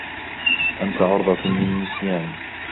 أنت عرضة للنسيان.